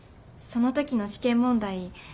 その時の試験問題